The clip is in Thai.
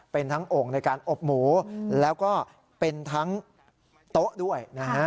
เป็นทั้งโอ่งในการอบหมูแล้วก็เป็นทั้งโต๊ะด้วยนะฮะ